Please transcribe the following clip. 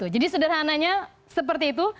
jadi sederhananya seperti itu